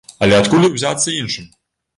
Але адкуль узяцца іншым?